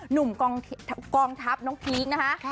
หนุ่มกองทัพน้องพีคนะคะ